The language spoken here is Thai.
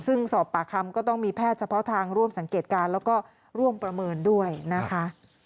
ซึ่งสอบปากคำก็ต้องมีแพทย์เฉพาะทางร่วมสังเกตการณ์แล้วก็ร่วมประเมินด้วยนะคะ